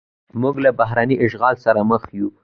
موږ له بهرني اشغال سره مخ یو.